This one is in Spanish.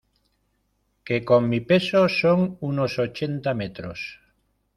que con mi peso son unos ochenta metros.